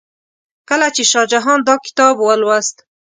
کله چې شاه جهان دا کتاب ولوست.